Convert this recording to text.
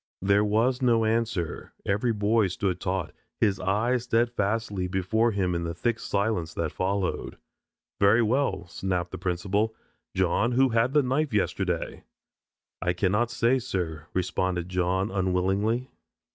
There was no answer. Every boy stood taut, his eyes steadfastly before him in the thick silence that followed. "Very well," snapped the principal. "John, who had the knife yesterday?" "I cannot say, sir," responded John unwillingly.